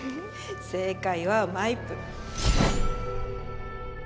正解はマイプ。